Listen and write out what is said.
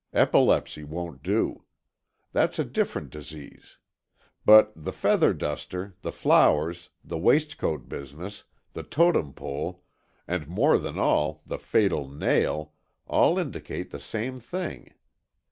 Epilepsy won't do. That is a different disease. But the feather duster, the flowers, the waistcoat business, the Totem Pole, and more than all, the fatal nail, all indicate the same thing.